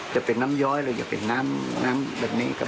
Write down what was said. อย่าเป็นน้ำย้อยหรืออย่าเป็นน้ำแบบนี้ก็ได้